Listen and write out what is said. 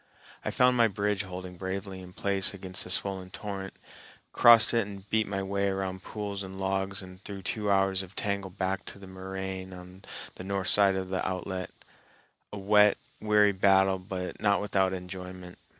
I found my bridge holding bravely in place against the swollen torrent, crossed it and beat my way around pools and logs and through two hours of tangle back to the moraine on the north side of the outlet,—a wet, weary battle but not without enjoyment.